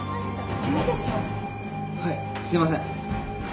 はいすいません。